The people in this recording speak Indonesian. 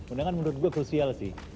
undangan menurut gue krusial sih